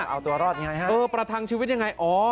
เอาตัวรอดยังไงฮะเออประทังชีวิตยังไง